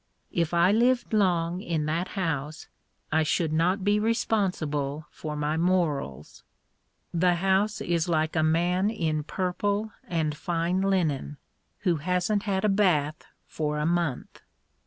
If I lived long in that house I should not be responsible for my morals. The house is like a man in purple and fine linen, who hasn't had a bath for a month.